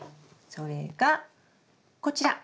それがこちら。